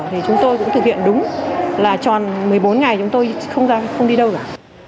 thì chúng tôi cũng thực hiện đúng là tròn một mươi bốn ngày chúng tôi không đi đâu được